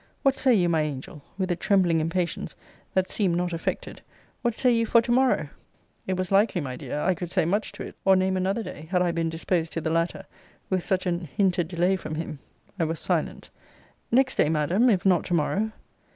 What say you, my angel? with a trembling impatience, that seemed not affected What say you for to morrow? It was likely, my dear, I could say much to it, or name another day, had I been disposed to the latter, with such an hinted delay from him. I was silent. Next day, Madam, if not to morrow?